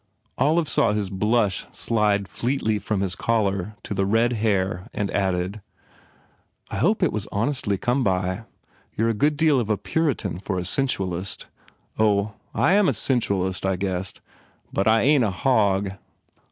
Olive saw his blush slide fleetly from his collar to the red hair and added, "I hope it was honestly come by. You re a good deal of a Puritan for a sensualist." "Oh ... I am a sensualist, I guess. But, I ain t a hog."